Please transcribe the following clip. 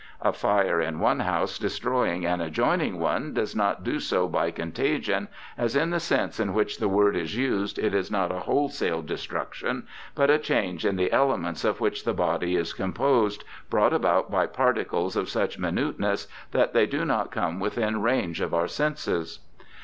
A fire in one house destroying an adjoining one does not do so by contagion, as in the sense in which the word is used it is not a wholesale destruction, but a change in the elements of which the body is composed, brought about by particles of such minuteness that they do not come within range of our senses.